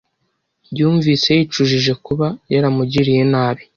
Yumvise yicujije kuba yaramugiriye nabi.